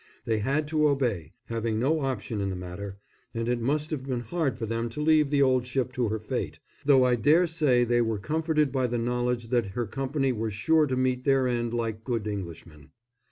They had to obey, having no option in the matter, and it must have been hard for them to leave the old ship to her fate, though I daresay they were comforted by the knowledge that her company were sure to meet their end like good Englishmen.